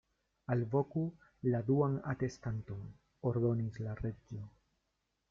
"Alvoku la duan atestanton," ordonis la Reĝo.